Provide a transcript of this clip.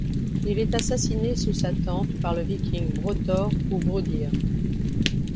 Il est assassiné sous sa tente par le viking Brotor ou Brodir.